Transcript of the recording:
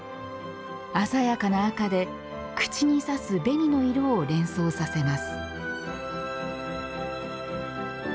鮮やかな赤で口に差す紅の色を連想させます。